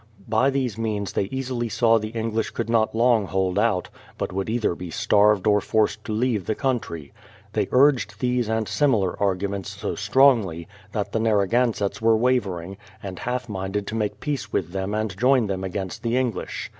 By these means they easily saw the English could not long hold out, but would either be starved or forced to leave the country. They urged these and similar arguments so strongly, that the Narragansetts were wavering, and half minded to make peace with them and join them against the English.